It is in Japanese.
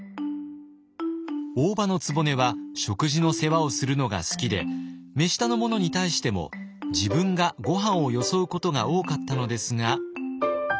大姥局は食事の世話をするのが好きで目下の者に対しても自分がごはんをよそうことが多かったのですが。